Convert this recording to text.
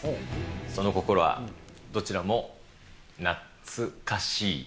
その心は、どちらもなっつかしい。